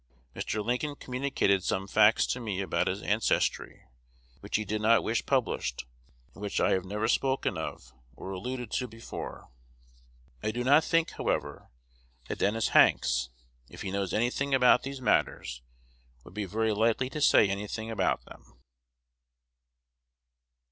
Mr. Lincoln communicated some facts to me about his ancestry, which he did not wish published, and which I have never spoken of or alluded to before. I do not think, however, that Dennis Hanks, if he knows any thing about these matters, would be very likely to say any thing about them."